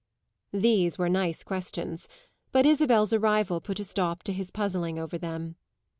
These were nice questions, but Isabel's arrival put a stop to his puzzling over them.